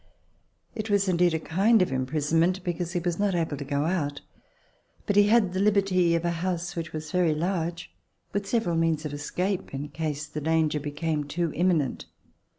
It was indeed a kind of im prisonment, because he was not able to go out, but he had the liberty of a house, which was very large, with several means of escape in case the danger be came too imminent.